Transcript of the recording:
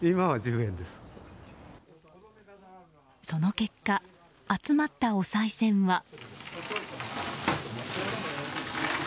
その結果集まった、おさい銭は。